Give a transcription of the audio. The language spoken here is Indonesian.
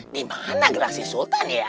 dimana gelang si sultan ya